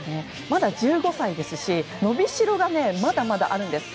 まだ１５歳ですし伸びしろがまだまだあるんです。